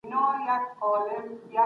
تشخیص د درملنې پر غوره والي اغېز کوي.